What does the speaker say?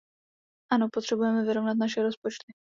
Ano, potřebujeme vyrovnat naše rozpočty.